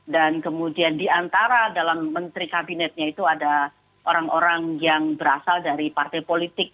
dan kemudian di antara dalam menteri kabinetnya itu ada orang orang yang berasal dari partai politik